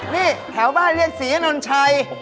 นี่แถวบ้านเรียกศรีอนนชัย